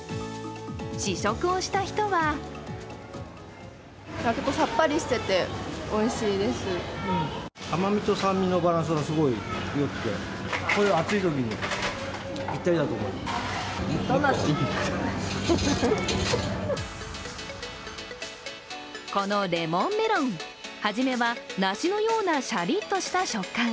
試食をした人はこのレモンメロン、初めは梨のようなシャリッとした食感。